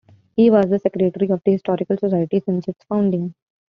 He was the Secretary of the Historical Society since its founding.